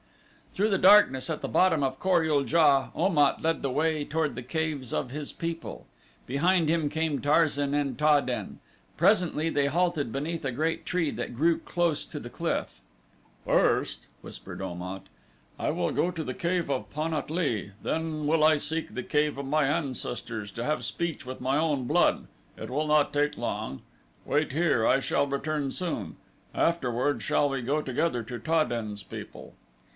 Through the darkness at the bottom of Kor ul JA, Om at led the way toward the caves of his people. Behind him came Tarzan and Ta den. Presently they halted beneath a great tree that grew close to the cliff. "First," whispered Om at, "I will go to the cave of Pan at lee. Then will I seek the cave of my ancestors to have speech with my own blood. It will not take long. Wait here I shall return soon. Afterward shall we go together to Ta den's people."